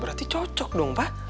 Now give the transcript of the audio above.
berarti cocok dong pak